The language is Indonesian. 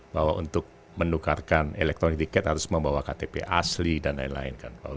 bahwa untuk menukarkan elektronik tiket harus membawa ktp asli dan lain lain